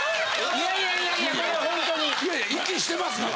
いやいや息してますから。